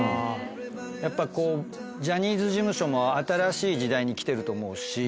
やっぱこうジャニーズ事務所も新しい時代に来てると思うし。